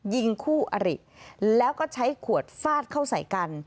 ยิงคู่อริแล้วก็ใช้ขวดฟาดเข้าใส่กัน